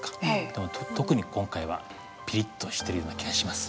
でも特に今回はピリッとしてるような気がします。